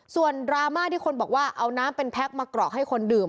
ส่วนดราม่าที่คนบอกว่าเอาน้ำเป็นแพ็คมากรอกให้คนดื่ม